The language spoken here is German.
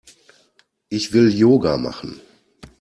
Ich will Yoga machen.